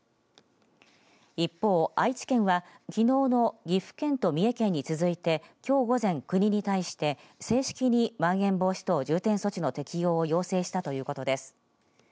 一方、愛知県はきのうの岐阜県と三重県に続いてきょう午前、国に対して正式にまん延防止等重点措置の適用を要請したということです。